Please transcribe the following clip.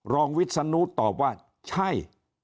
วิศนุตอบว่าใช่